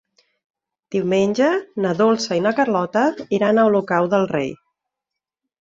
Diumenge na Dolça i na Carlota iran a Olocau del Rei.